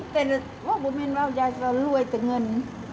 แต่ว่าเมื่อเมืองเว้าใหญ่จะรวยเงิน